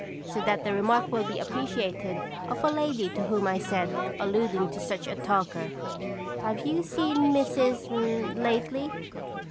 So that the remark will be appreciated of a lady to whom I said, alluding to such a talker: "Have you seen Mrs. lately?"